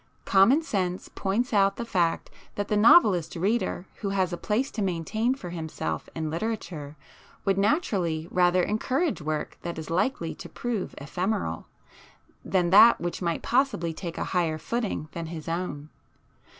Common sense points out the fact that the novelist 'reader' who has a place to maintain for himself in literature would naturally rather encourage work that is likely to prove ephemeral, than that which might possibly take a higher footing than his own.